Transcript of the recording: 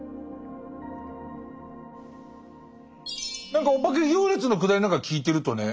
何かお化け行列のくだりなんか聞いてるとね